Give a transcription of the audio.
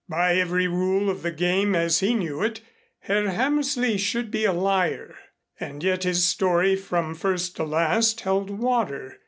By every rule of the game as he knew it Herr Hammersley should be a liar. And yet his story from first to last held water.